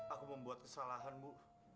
aku membuat kesalahan bu